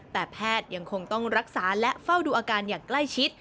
แต่แพทย์ยังคงต้องรักษาและเฝ้าดูอาการอย่างใกล้ชิด